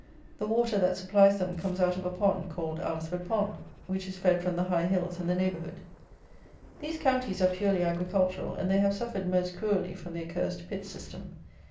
The water that supplies them comes out of a pond, called Alresford Pond, which is fed from the high hills in the neighbourhood. These counties are purely agricultural; and they have suffered most cruelly from the accursed Pitt system.